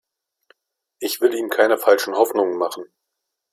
Ich will ihm keine falschen Hoffnungen machen.